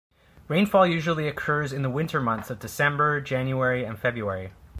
Rainfall usually occurs in the winter months of December, January and February.